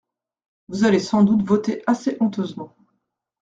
Vous allez sans doute voter assez honteusement.